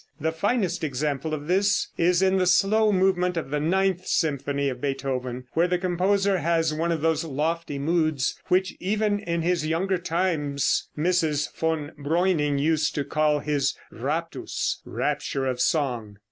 The finest example of this is in the slow movement of the ninth symphony of Beethoven, where the composer has one of those lofty moods, which even in his younger times Mrs. Von Breuning used to call his "raptus" rapture of song.